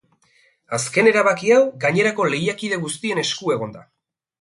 Azken erabaki hau gainerako lehiakide guztien esku egon da.